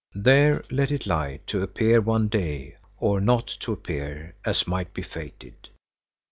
There let it lie to appear one day, or not to appear, as might be fated.